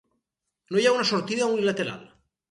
No hi ha una sortida unilateral.